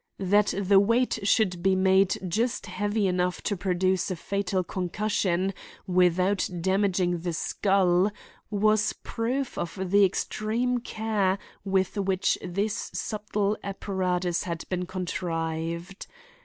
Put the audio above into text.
That the weight should be made just heavy enough to produce a fatal concussion without damaging the skull was proof of the extreme care with which this subtle apparatus had been contrived.